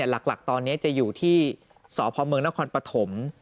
หลักตอนนี้จะอยู่ที่สพเมืองนครปฐม